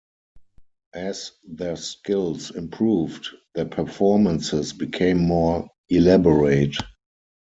As their skills improved, their performances became more elaborate.